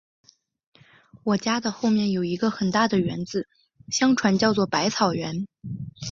我家的后面有一个很大的园，相传叫作百草园